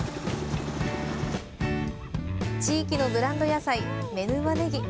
地域のブランド野菜、妻沼ねぎ。